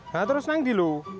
nah terus nangdi lu